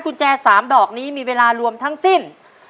กุญแจ๓ดอกนี้มีเวลารวมทั้งสิ้น